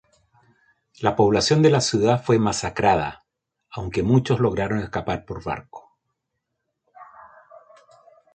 La población de la ciudad fue masacrada, aunque muchos lograron escapar por barco.